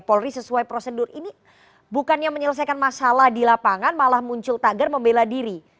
polri sesuai prosedur ini bukannya menyelesaikan masalah di lapangan malah muncul tagar membela diri